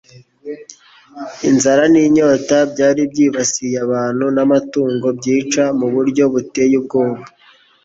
Inzara ninyota byari byibasiye abantu namatungo byica mu buryo buteye ubwoba